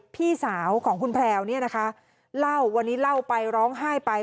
พี่สาวของคุณแพรวล้าววันนี้ล้าวไปร้องไห้ไป